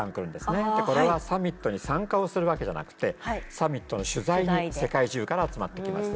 これはサミットに参加をするわけじゃなくてサミットの取材に世界中から集まってきます。